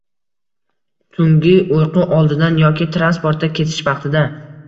tungi uyqu oldidan yoki transportda ketish vaqtida